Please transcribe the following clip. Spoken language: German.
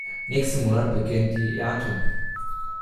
Nächsten Monat beginnt die Ernte.